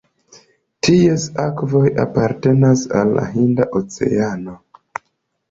Ties akvoj apartenas al la Hinda Oceano.